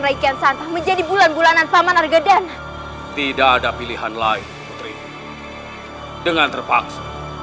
reikian santah menjadi bulan bulanan pamanar gedan tidak ada pilihan lain dengan terpaksa